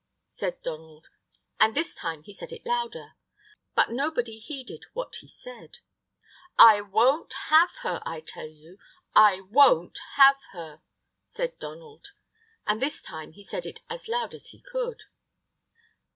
said Donald; and this time he said it louder; but nobody heeded what he said. "I won't have her, I tell you; I won't have her!" said Donald; and this time he said it as loud as he could.